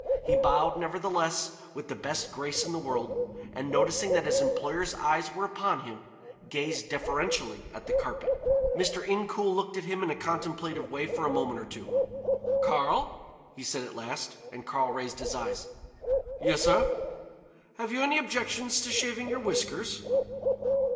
He bowed, nevertheless, with the best grace in the world, and noticing that his employer's eyes were upon him, gazed deferentially at the carpet. Mr. Incoul looked at him in a contemplative way for a moment or two. "Karl," he said at last, and Karl raised his eyes. "Yes, sir." "Have you any objections to shaving your whiskers?"